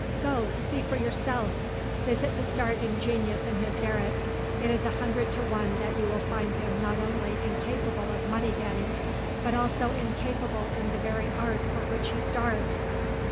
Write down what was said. Go, see for yourself. Visit the starving genius in his garret. It is a hundred to one that you will find him not only incapable in money getting but also incapable in the very art for which he starves."